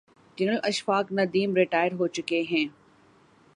General Ashfaq Nadeem retire ہو چکے ہیں۔